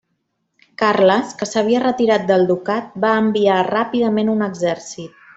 Carles, que s'havia retirat del ducat, va enviar ràpidament un exèrcit.